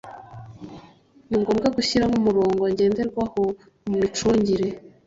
ni ngomnwa gushyiraho umurongo ngenderwaho mu micungire